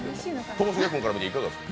ともしげ君から見ていかがですか。